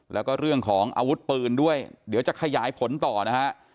แล้วก็เรื่องของอาวุธปืนด้วยเดี๋ยวจะขยายผลต่อนะฮะ